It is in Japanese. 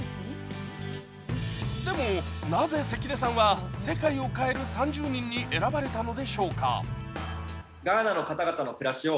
でも、なぜ関根さんは世界を変える３０人に選ばれたのでしょうか。